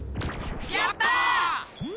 やった！